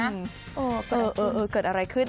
ก็เลยเออเกิดอะไรขึ้น